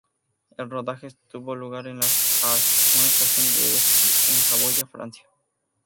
El rodaje tuvo lugar en Les Arcs, una estación de esquí en Saboya, Francia.